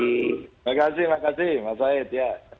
terima kasih terima kasih mas said